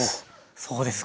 そうですか。